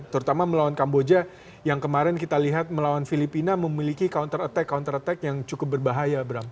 terutama melawan kamboja yang kemarin kita lihat melawan filipina memiliki counter attack counter attack yang cukup berbahaya